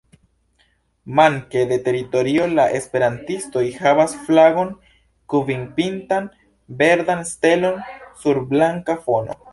Manke de teritorio, la esperantistoj havas flagon, kvinpintan verdan stelon sur blanka fono.